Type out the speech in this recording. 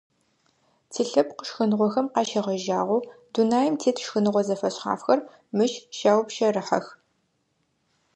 Тилъэпкъ шхыныгъохэм къащегъэжьагъэу, дунаим тет шхыныгъо зэфэшъхьафхэр мыщ щаупщэрыхьэх.